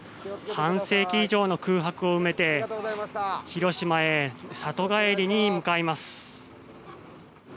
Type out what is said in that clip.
半世紀以上の空白を埋めて広島へ、里帰りに向かいます。